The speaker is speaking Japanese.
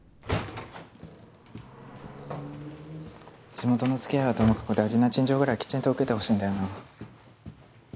地元のつきあいはともかく大事な陳情ぐらいきちんと受けてほしいんだよな。